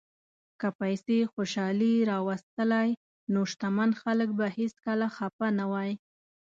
که پیسې خوشالي راوستلی، نو شتمن خلک به هیڅکله خپه نه وای.